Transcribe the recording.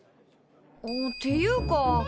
っていうか。